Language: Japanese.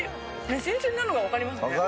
新鮮なのが分かりますね。